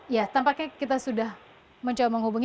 ya tampaknya kita sudah mencoba menghubungi